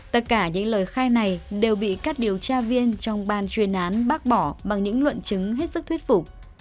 tất cả những lời khai này đều bị các điều tra viên trong ban chuyên án bác bỏ bằng những luận chứng hết sức thuyết phục